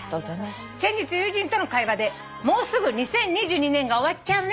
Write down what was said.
「先日友人との会話で『もうすぐ２０２２年が終わっちゃうね。